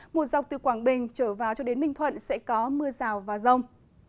mùa dọc từ quảng bình trở vào cho đến minh thuận sẽ có mưa rào và rông